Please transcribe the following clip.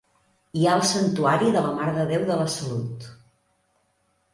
Hi ha el santuari de la Mare de Déu de la Salut.